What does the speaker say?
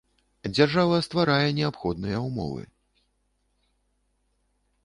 Дзяржава стварае неабходныя ўмовы.